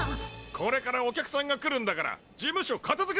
これからお客さんが来るんだから事務所片づけろ！